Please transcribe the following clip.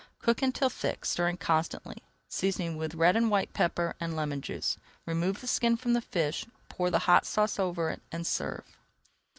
Cook until thick, stirring constantly, seasoning with red and white pepper and lemon juice. Remove the skin from the fish, pour the hot sauce over it, and serve.